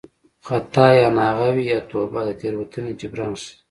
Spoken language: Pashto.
د خطا یا ناغه وي یا توبه د تېروتنې جبران ښيي